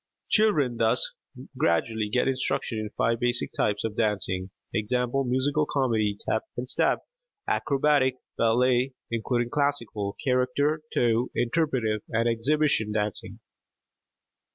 Children thus gradually get instruction in five basic types of dancing, i.e., musical comedy, tap and step, acrobatic, ballet, including classical, character, toe, interpretive, and exhibition dancing.